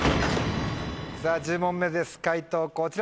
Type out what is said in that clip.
さぁ１０問目です解答